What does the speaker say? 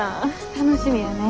楽しみやね。